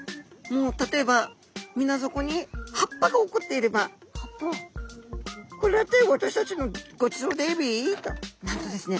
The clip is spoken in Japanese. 例えば水底に葉っぱが落っこっていれば「これって私たちのごちそうだエビ」となんとですね